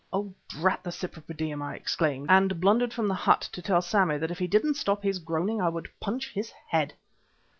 "Oh! drat the Cypripedium!" I exclaimed, and blundered from the hut to tell Sammy that if he didn't stop his groaning I would punch his head.